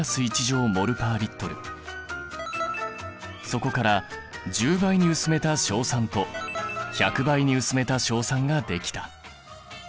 そこから１０倍に薄めた硝酸と１００倍に薄めた硝酸が出来た。